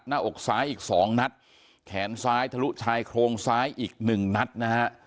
หน้าอกซ้ายอีกสองนัดแขนซ้ายทะลุชายโครงซ้ายอีกหนึ่งนัดนะฮะ